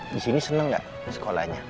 disini seneng gak sekolahnya